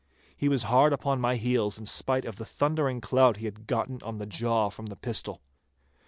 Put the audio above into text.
He was hard upon my heels in spite of the thundering clout he had gotten on the jaw from the pistol.